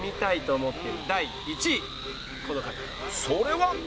それは